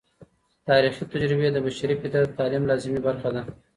تاریخي تجربې د بشري فطرت د تعلیم لازمي برخه ده.